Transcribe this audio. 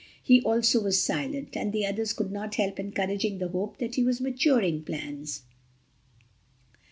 He also was silent, and the others could not help encouraging the hope that he was maturing plans.